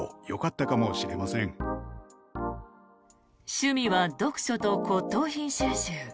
趣味は読書と骨とう品収集。